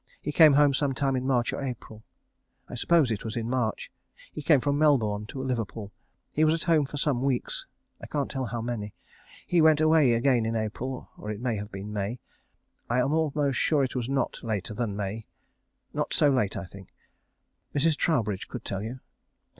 He came home some time in March or April. I suppose it was in March. He came from Melbourne to Liverpool. He was at home for some weeks. I can't tell how many. He went away again in April, or it might have been May. I am almost sure it was not later than May. Not so late I think. Mrs. Troubridge could tell you.